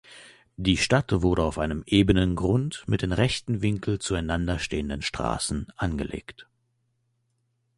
Die Stadt wurde auf ebenem Grund mit in rechtem Winkel zueinander stehenden Straßen angelegt.